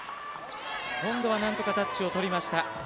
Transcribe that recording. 今度は何とかタッチをとりました。